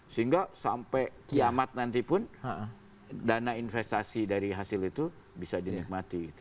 sehingga sampai kiamat nanti pun dana investasi dari hasil itu bisa dinikmati